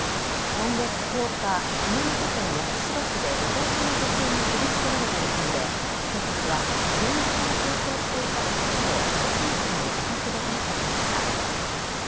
今月１０日、熊本県八代市で舞踏家の女性が切りつけられた事件で警察は現場から逃走していた男を鹿児島県の自宅で逮捕しました。